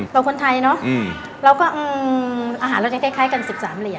เราคนไทยเนอะเราก็อาหารเราจะคล้ายกัน๑๓เหรียญ